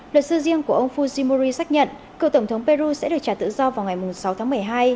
luật sư riêng của ông fusimoro xác nhận cựu tổng thống peru sẽ được trả tự do vào ngày sáu tháng một mươi hai